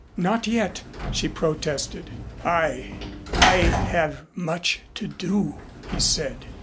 "Not yet " she protested. "I I have much to do " he said.